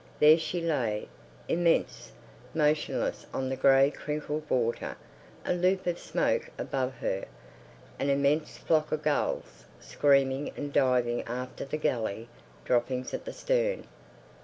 There she lay, immense, motionless on the grey crinkled water, a loop of smoke above her, an immense flock of gulls screaming and diving after the galley droppings at the stern.